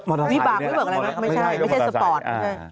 มอเตอร์ไซค์นี่ไม่ใช่ไม่ใช่สปอร์ต